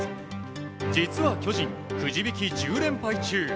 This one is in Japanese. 実は巨人、くじ引き１０連敗中。